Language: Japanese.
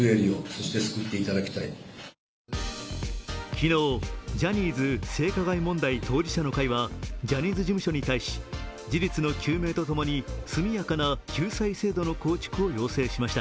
昨日、ジャニーズ性加害問題当事者の会はジャニーズ事務所に対し、事実の究明とともに、速やかな救済制度の構築を要請しました。